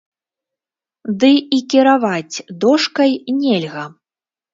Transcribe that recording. Ды і кіраваць дошкай нельга.